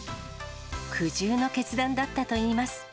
苦渋の決断だったといいます。